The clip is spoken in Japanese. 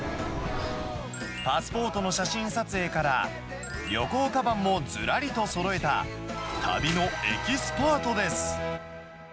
パスポートの写真撮影から、旅行かばんもずらりとそろえた、旅のエキスパートです。